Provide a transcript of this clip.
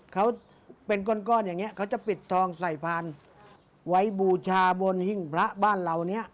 เขาเป็นก้อนอย่างนี้เขาจะปิดทองใส่พานไว้บูชาบนหิ้งพระบ้านเราเนี่ย